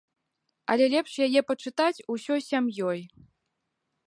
Але лепш яе пачытаць усёй сям'ёй.